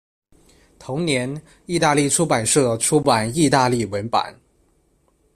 同年意大利出版社出版意大利文版。